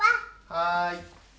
はい。